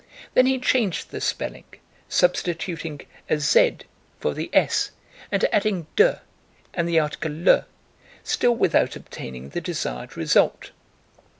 Then he changed the spelling, substituting a z for the s and adding de and the article le, still without obtaining the desired result.